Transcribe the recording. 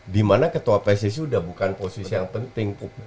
dimana ketua pssi sudah bukan posisi yang penting